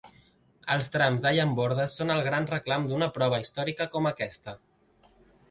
Els trams de llambordes són el gran reclam d’una prova històrica com aquesta.